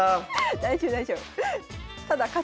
大丈夫大丈夫。